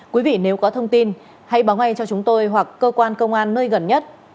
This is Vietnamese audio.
quý vị nếu có thông tin hãy báo ngay cho chúng tôi hoặc cơ quan công an nơi gần nhất